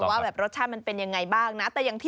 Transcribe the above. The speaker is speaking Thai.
ว่าแบบรสชาติมันเป็นยังไงบ้างนะ